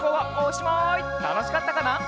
たのしかったかな？